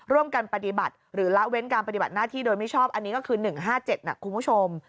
ร่วมกันปฏิบัติหรือละเว้นการปฏิบัติหน้าที่โดยไม่ชอบอันนี้ก็คือ๑๕๗นะคุณผู้ชม